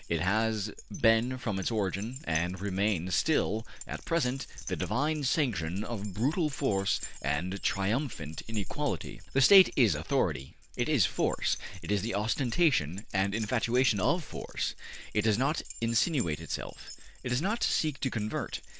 It has been from its origin, and it remains still at present, the divine sanction of brutal force and triumphant inequality. The State is authority; it is force; it is the ostentation and infatuation of force: it does not insinuate itself; it does not seek to convert.